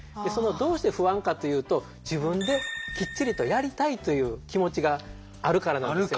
どうして不安かというと自分できっちりとやりたいという気持ちがあるからなんですよ。